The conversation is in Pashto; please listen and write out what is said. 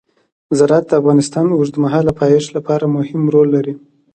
زراعت د افغانستان د اوږدمهاله پایښت لپاره مهم رول لري.